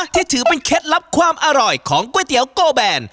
ที่ถือเป็นเคล็ดลับความอร่อยของก๋วยเตี๋ยวโกแบน